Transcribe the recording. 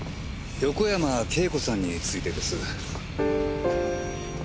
横山慶子さんについてです。